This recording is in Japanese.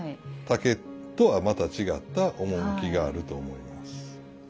竹とはまた違った趣があると思います。